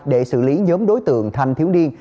để xử lý nhóm đối tượng thành thiếu điên